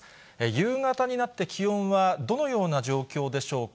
夕方になって気温はどのような状況でしょうか。